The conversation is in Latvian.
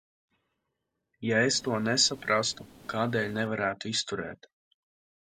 Ja es to nesaprastu, kādēļ nevarētu izturēt?